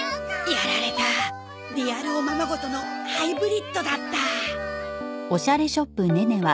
やられたリアルおままごとのハイブリッドだった。